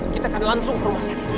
kita akan langsung ke rumah sakit